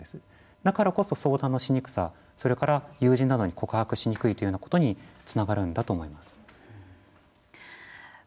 だからこそ相談のしにくさそれから友人などに告白しにくいということにつながるんだと思います。